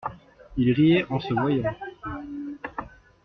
Il riait en se voyant.